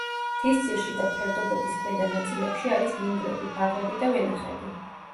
მთისძირში და ფერდობების ქვედა ნაწილებში არის მინდვრები, ბაღები და ვენახები.